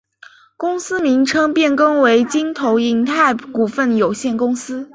公司名称变更为京投银泰股份有限公司。